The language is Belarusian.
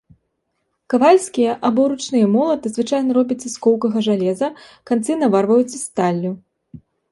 Кавальскія, або ручныя молаты звычайна робяцца з коўкага жалеза, канцы наварваюцца сталлю.